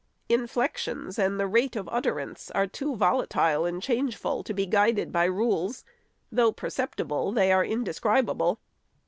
Inflections and the rate of utterance are too volatile and changeful to be guided by rules ; though perceptible, they are indescribable.